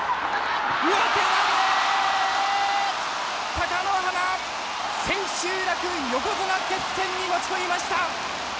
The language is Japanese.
貴乃花、千秋楽横綱決戦に持ち込みました。